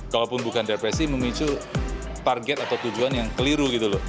kalaupun bukan depresi memicu target atau tujuan yang keliru gitu loh